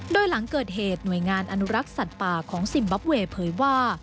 โดยหลังเกิดเหตุหน่วยงานอนุรักษ์สัตว์ป่าของซิมบับเวย์เผยว่า